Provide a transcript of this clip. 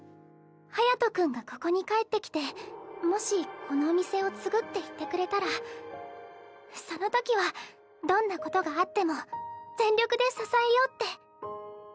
隼君がここに帰って来てもしこのお店を継ぐって言ってくれたらそのときはどんなことがあっても全力で支えようって。